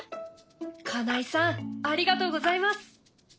金井さんありがとうございます！